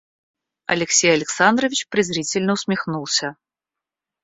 Алексей Александрович презрительно усмехнулся.